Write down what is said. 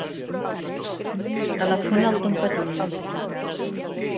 Telefona al Tom Patiño.